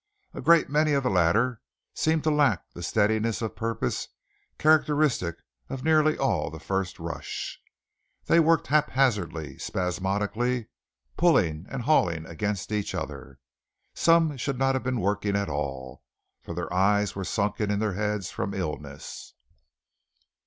A great many of the latter seemed to lack the steadiness of purpose characteristic of nearly all the first rush. They worked haphazardly, spasmodically, pulling and hauling against each other. Some should not have been working at all, for their eyes were sunken in their heads from illness.